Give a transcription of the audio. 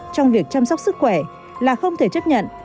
trong việc chăm sóc sức khỏe là không thể chấp nhận